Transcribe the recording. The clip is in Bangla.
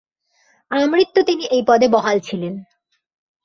আমৃত্যু তিনি এই পদে বহাল ছিলেন।